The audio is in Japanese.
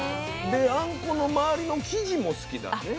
であんこの周りの生地も好きだね